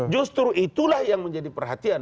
justru itulah yang menjadi perhatian